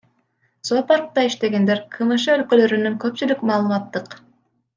Зоопаркта иштегендер, КМШ өлкөлөрүнүн көпчүлүк маалыматтык